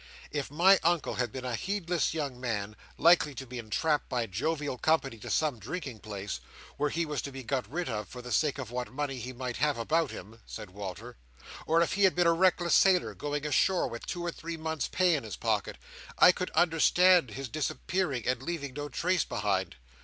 "If my Uncle had been a heedless young man, likely to be entrapped by jovial company to some drinking place, where he was to be got rid of for the sake of what money he might have about him," said Walter; "or if he had been a reckless sailor, going ashore with two or three months' pay in his pocket, I could understand his disappearing, and leaving no trace behind.